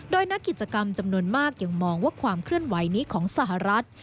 โดยนักกิจกรรมจำนวนมากยังมองว่าความเคลื่อนไหวนี้ของสหรัฐ